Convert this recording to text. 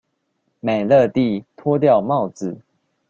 美樂蒂脫掉帽子